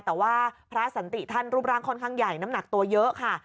แต่ว่าพระสันติท่านรูปร่างค่อนข้างใหญ่น้ำหนักตัวเยอะค่ะ